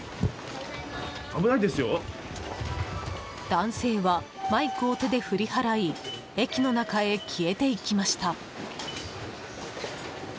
男性はマイクを手で振り払い駅の中へ消えて行きました。